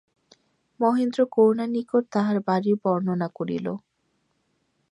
মহেন্দ্র করুণার নিকট তাহার বাড়ির বর্ণনা করিল।